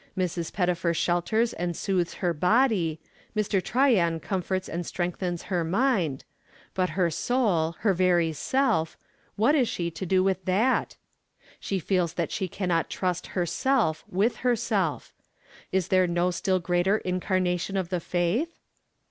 Mrs. Pettifer shelters and soothes her body; Mr. Tryan comforts and strengthens her mind; but her soul, her very self, what is she to do with that? She feels that she cannot trust herself with herself. Is there no still greater incarnation of the faith?